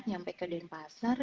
nyampe ke denpasar